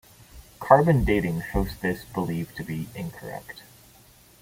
Carbon dating shows this belief to be incorrect.